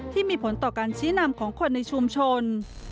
ที่มีผลต่อการชี้นำของคนในชุมชน